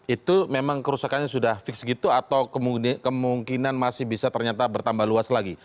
itu memang kerusakannya sudah fix gitu atau kemungkinan masih bisa ternyata bertambah luas lagi